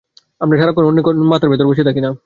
আমরা সারাক্ষণ অন্যের মাথার ভেতর বসে থাকি না।